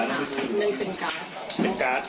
นึงเป็น